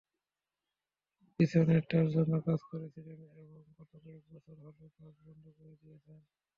Bissonnette তার জন্য কাজ করেছিলেন এবং গত কয়েক বছর হলো কাজ বন্ধ করে দিয়েছেন।